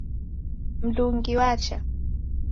Mndungi wacha?